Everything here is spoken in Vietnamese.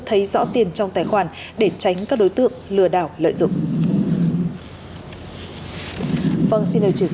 thấy rõ tiền trong tài khoản để tránh các đối tượng lừa đảo lợi dụng